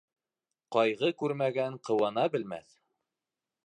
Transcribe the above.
Ҡайғы күрмәгән ҡыуана белмәҫ